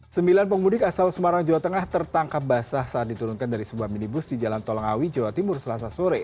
sembilan pemudik asal semarang jawa tengah tertangkap basah saat diturunkan dari sebuah minibus di jalan tol ngawi jawa timur selasa sore